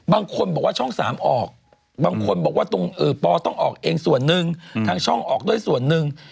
บางคนบอกว่าช่อง๓ออกบางคนบอกว่าตรงปต้องออกเองส่วนหนึ่งทางช่องออกด้วยส่วนหนึ่ง